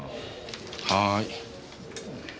はい。